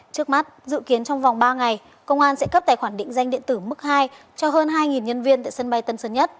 trước mắt dự kiến trong vòng ba ngày công an sẽ cấp tài khoản định danh điện tử mức hai cho hơn hai nhân viên tại sân bay tân sơn nhất